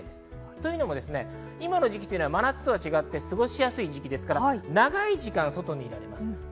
今の時期は真夏とは違って過ごしやすい時期ですから、長い時間外にいられます。